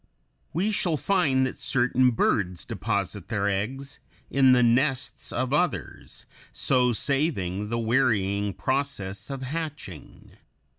We shall find that certain birds deposit their eggs in the nests of others, so saving the wearying process of hatching.